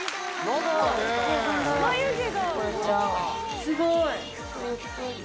すごい。わ！